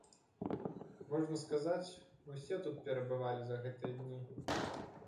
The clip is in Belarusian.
Можна сказаць, усе тут перабывалі за гэтыя дні.